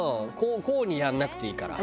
うんこうにやらなくていいから。